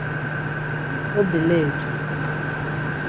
Obeledu